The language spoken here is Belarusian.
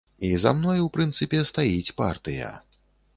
І за мной, у прынцыпе, стаіць партыя.